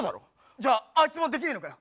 じゃああいつもできねえのかよ。